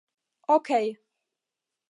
Okej...